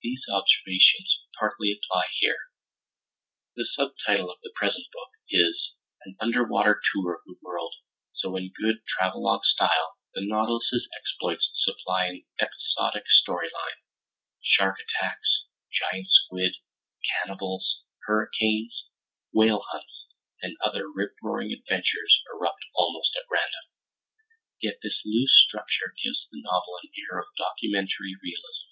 These observations partly apply here. The subtitle of the present book is An Underwater Tour of the World, so in good travelog style, the Nautilus's exploits supply an episodic story line. Shark attacks, giant squid, cannibals, hurricanes, whale hunts, and other rip roaring adventures erupt almost at random. Yet this loose structure gives the novel an air of documentary realism.